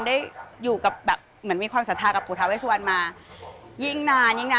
ได้อยู่แบบเหมือนมีความสัทธากับปู่ทาเวสวันมายิ่งนาน